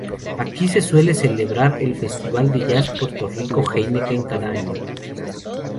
Aquí se suele celebrar el Festival de Jazz Puerto Rico Heineken cada año.